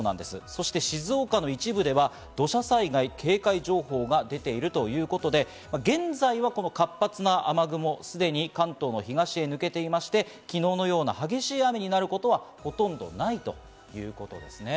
そして静岡の一部では土砂災害警戒情報が出ているということで、現在は活発な雨雲、すでに関東の東へ抜けていまして、昨日のような激しい雨になることはほとんどないということですね。